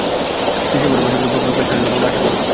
December মাসের মধ্যে প্রকল্পের কাজ শেষ হবে বলে আশা করা যাচ্ছে।